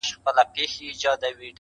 دا زه څومره بېخبره وم له خدایه.!